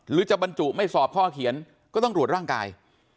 หรือจะบรรจุไม่สอบข้อเขียนก็ต้องรวดร่างกาย